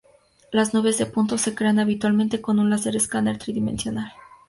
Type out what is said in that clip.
Las nubes de puntos se crean habitualmente con un láser escáner tridimensional.